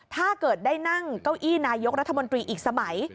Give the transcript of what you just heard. ถ้าเกิดได้นั่งเก้าอี้นายกรัฐมนตรีอีกสมัย